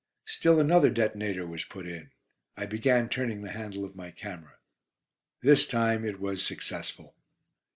Still another detonator was put in. I began turning the handle of my camera. This time it was successful.